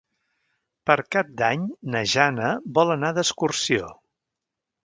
Per Cap d'Any na Jana vol anar d'excursió.